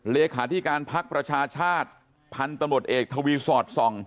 เลขาธิการพักประชาชาติพันธุ์ตำรวจเอกทวีสอดส่อง